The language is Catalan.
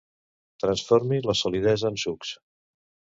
Transformi la solidesa en sucs.